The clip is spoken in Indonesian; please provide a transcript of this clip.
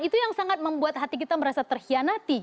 itu yang sangat membuat hati kita merasa terhianati